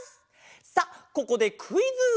さあここでクイズ！